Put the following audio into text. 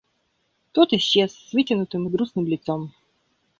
Тот исчез с вытянутым и грустным лицом.